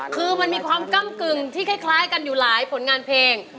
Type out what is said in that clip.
คือมันมีความก้ำกึ่งที่คล้ายกันอยู่หลายผลงานเพลง